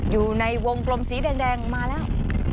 อยู่ในวงกลมสีแดงมาแล้ว